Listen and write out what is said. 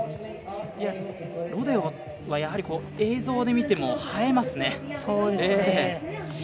ロデオは映像で見ても映えますね。